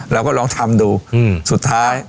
เราก็ลองทำดูสุดท้าย